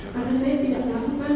karena saya tidak melakukan